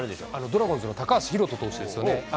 ドラゴンズの高橋宏斗選手ですよね。